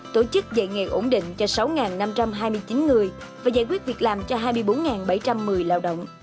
tổ chức dạy nghề ổn định cho sáu năm trăm hai mươi chín người và giải quyết việc làm cho hai mươi bốn bảy trăm một mươi lao động